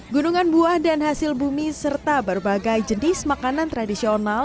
gunungan buah dan hasil bumi serta berbagai jenis makanan tradisional